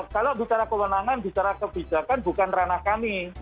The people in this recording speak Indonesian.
kalau bicara kewenangan bicara kebijakan bukan ranah kami